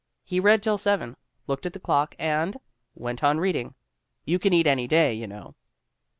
He read till seven, looked at the clock, and went on read ing. You can eat any day, you know.